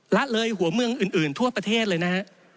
ละเลยหัวเมืองอื่นทั่วประเทศเลยนะฮะ